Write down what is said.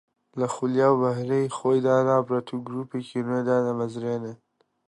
لە خولیا و بەهرەی خۆی دانابڕێت و گرووپێکی نوێ دادەمەژرێنێت